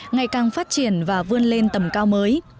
ngày càng phát triển và vươn lên tầm cao mới